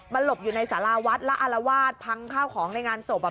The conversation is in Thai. มาหลบอยู่ในสารวัฒน์ละอารวาถพังข้าวของในงานโสปอะ